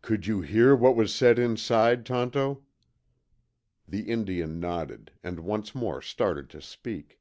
"Could you hear what was said inside, Tonto?" The Indian nodded, and once more started to speak.